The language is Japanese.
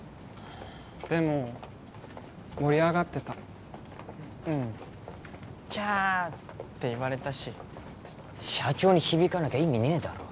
でも盛り上がってたうんキャーって言われたし社長に響かなきゃ意味ねえだろ